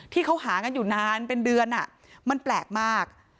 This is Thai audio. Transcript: ที่เขาหากันอยู่นานเป็นเดือนมันแปลกมาก